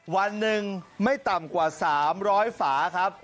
วันหนึ่งไม่ต่ำกว่า๓๐๐ฝาครับ